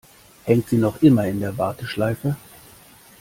Hängt sie noch immer in der Warteschleife?